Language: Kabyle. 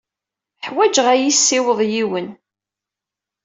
Ḥwajeɣ ad iyi-yessiweḍ yiwen.